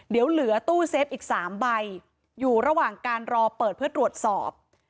เดี๋ยวเหลือตู้เซฟอีก๓ใบอยู่ระหว่างการรอเปิดเพื่อตรวจสอบ